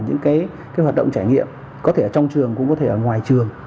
những cái hoạt động trải nghiệm có thể ở trong trường cũng có thể ở ngoài trường